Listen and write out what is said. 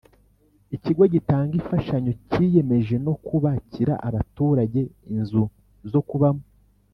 ikigo gitanga ifashanyo cyiyemeje nokubakira abaturage inzu zo kubamo